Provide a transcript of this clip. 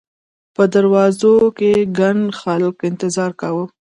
په دروازو کې ګڼ خلک انتظار کاوه.